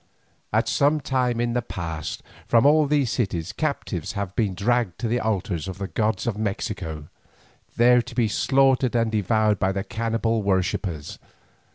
At some time in the past, from all these cities captives have been dragged to the altars of the gods of Mexico, there to be slaughtered and devoured by the cannibal worshippers.